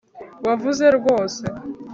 wavuze rwose